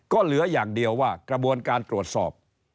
ก็เหลืออย่างเดียวว่ากระบวนการตรวจสอบ